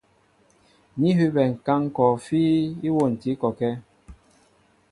Ní hʉbɛ ŋ̀kǎŋ kɔɔfí íwôntǐ kɔkɛ́.